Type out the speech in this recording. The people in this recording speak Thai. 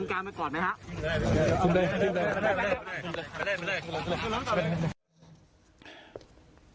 ไม่ได้ไม่ได้